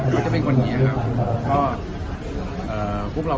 ก็จะเป็นคนเนี้ยครับ